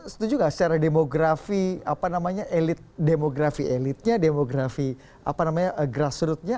setuju nggak secara demografi apa namanya elit demografi elitnya demografi apa namanya grassrootnya